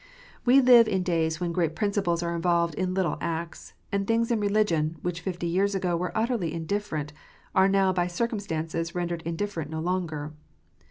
We live in days when great principles are involved in little acts, and things in religion, which fifty years ago were utterly indifferent, are now by circumstances rendered indifferent no longer.